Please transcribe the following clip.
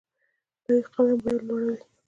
د ښه قلم بیه لوړه وي.